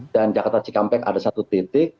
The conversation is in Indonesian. dan jakarta cikampek ada satu titik